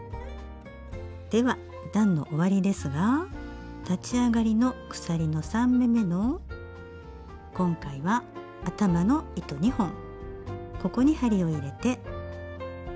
では段の終わりですが立ち上がりの鎖の３目めの今回は頭の糸２本ここに針を入れて。